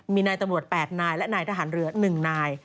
มีนายตำรวจแปดนายและนายทหารเรือหนึ่งนาย